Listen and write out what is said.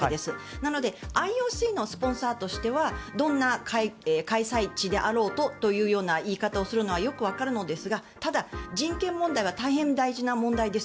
なのでＩＯＣのスポンサーとしてはどんな開催地であろうとというような言い方をするのはよくわかるのですがただ、人権問題は大変大事な問題です。